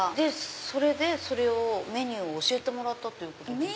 それでそれをメニューを教えてもらったってことですか。